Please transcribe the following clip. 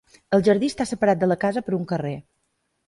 El jardí està separat de la casa per un carrer.